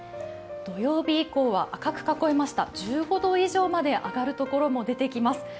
土曜日以降は赤く囲いました、１５度以上まで上がる所も出てきます。